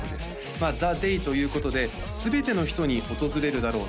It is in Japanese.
まあ「ＴｈｅＤａｙ」ということで全ての人に訪れるだろう